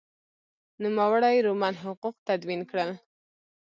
نوموړي رومن حقوق تدوین کړل.